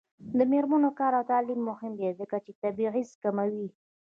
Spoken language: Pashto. د میرمنو کار او تعلیم مهم دی ځکه چې تبعیض کموي.